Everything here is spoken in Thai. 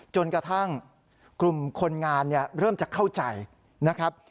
จนกระทั่งกลุ่มคนงานเริ่มจะเข้าใจนะครับ